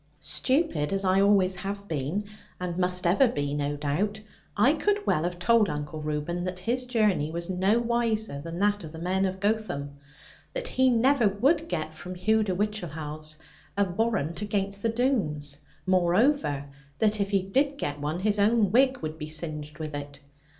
Stupid as I always have been, and must ever be no doubt, I could well have told Uncle Reuben that his journey was no wiser than that of the men of Gotham; that he never would get from Hugh de Whichehalse a warrant against the Doones; moreover, that if he did get one, his own wig would be singed with it.